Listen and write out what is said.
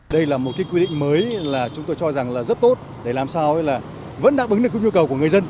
đây là một cái quy định mới là chúng tôi cho rằng là rất tốt để làm sao là vẫn đáp ứng được nhu cầu của người dân